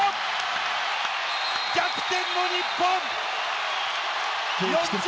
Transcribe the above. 逆転の日本！